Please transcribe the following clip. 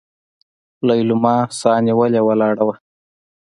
ليلما سانيولې ولاړه وه.